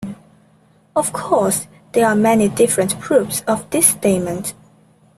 Of course, there are many different proofs of this statement.